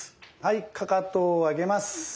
かかとを上げます。